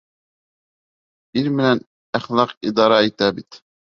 Ил менән әхлаҡ идара итә бит.